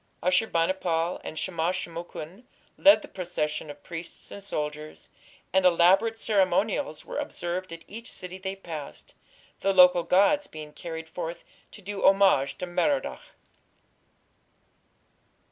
Ashur bani pal and Shamash shum ukin led the procession of priests and soldiers, and elaborate ceremonials were observed at each city they passed, the local gods being carried forth to do homage to Merodach.